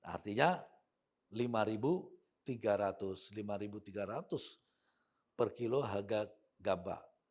artinya lima tiga ratus per kilo harga gabah